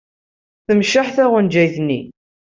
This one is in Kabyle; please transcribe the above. Temceḥ taɣenjayt-nni.